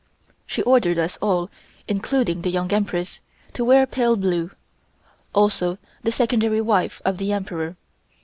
She ordered us all, including the Young Empress, to wear pale blue, also the Secondary wife of the Emperor.